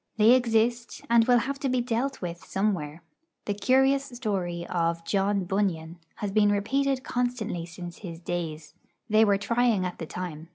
They exist, and will have to be dealt with somewhere. The curious story of John Bunyan has been repeated constantly since his days. They were trying at the time.